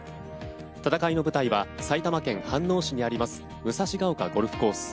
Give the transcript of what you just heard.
戦いの舞台は埼玉県飯能市にあります武蔵丘ゴルフコース。